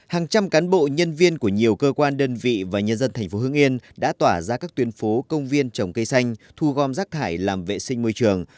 hàng trăm cán bộ nhân viên của nhiều cơ quan đơn vị và nhân dân thành phố hưng yên đã tỏa ra các tuyên phố công viên trồng cây xanh thu gom rác thải làm vệ sinh môi trường